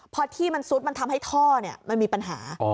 พอที่มันซุดมันทำให้ท่อมันมีปัญหา